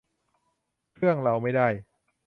เครื่องเราไม่ได้